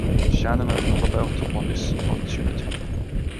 Shannon and Roberto won this opportunity.